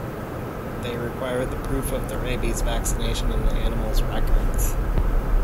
They require the proof of the rabies vaccination in the animal's records.